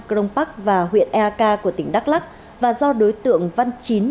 crong park và huyện eak của tỉnh đắk lắc và do đối tượng văn chín